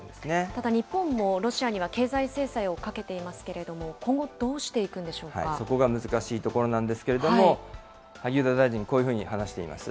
ただ、日本もロシアには経済制裁をかけていますけれども、今そこが難しいところなんですけれども、萩生田大臣、こういうふうに話しています。